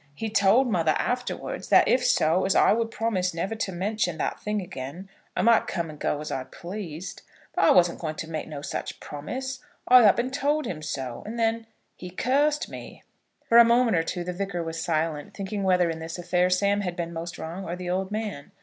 He told mother afterwards, that if so as I would promise never to mention that thing again, I might come and go as I pleased. But I wasn't going to make no such promise. I up and told him so; and then he cursed me." For a moment or two the Vicar was silent, thinking whether in this affair Sam had been most wrong, or the old man.